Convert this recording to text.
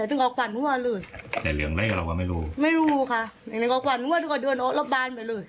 แล้วตึงเอาขวัดนั่วเลยแต่เหลืองอะไรหรอกว่าไม่รู้ไม่รู้ค่ะแล้วตึงเอาขวัดนั่วแล้วก็เดินออกรอบบานไปเลย